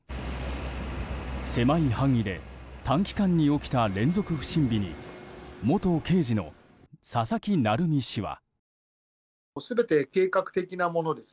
狭い範囲で短期間に起きた連続不審火に元刑事の佐々木成三氏は。